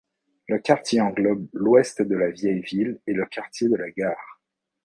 Le quartier englobe l'ouest de la vieille ville et le quartier de la gare.